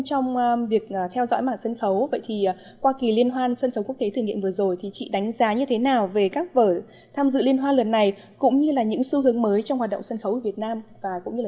trong việc theo dõi mạng sân khấu qua kỳ liên hoan sân khấu quốc tế thử nghiệm vừa rồi chị đánh giá như thế nào về các vở tham dự liên hoan lần này cũng như những xu hướng mới trong hoạt động sân khấu ở việt nam và châu á